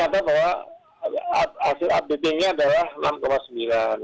kemudian ternyata bahwa hasil updatingnya adalah enam sembilan gitu